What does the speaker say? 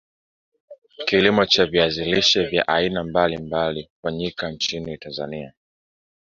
kilimo cha viazi lishe vya aina mbali mbali hufanyika nchini Tanzania